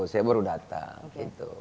saya baru datang